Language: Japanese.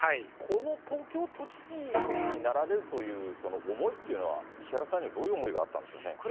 この東京都知事になられるという、その思いっていうのは、石原さんにはどういう思いがあったんでしょうね。